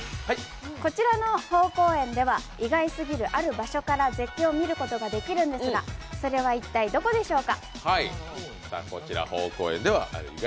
こちらの豊好園では、意外すぎるある場所から絶景を見ることができるんですがそれは一体、どこでしょうか。